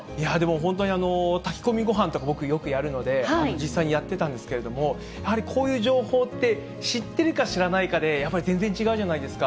本当に炊き込みごはんとか、僕、よくやるので、実際にやってたんですけれども、やはりこういう情報って、知ってるか知らないかで、やっぱり全然違うじゃないですか。